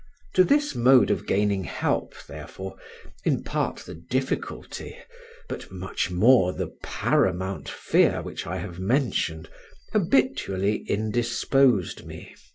To this mode of gaining help, therefore, in part the difficulty, but much more the paramount fear which I have mentioned, habitually indisposed me.